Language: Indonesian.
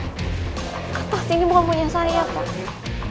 kertas ini bukan punya saya pak